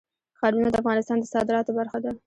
ښارونه د افغانستان د صادراتو برخه ده.